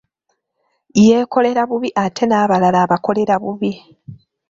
Yeekolera bubi ate n'abalala abakolera bubi.